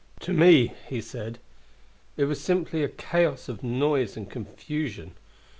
"To me," he said, "it was simply a chaos of noise and confusion.